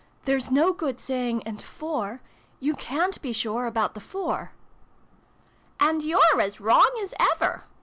" There's no good saying { and four ': you cant be sure about the four !' "And you're as wrong as ever!"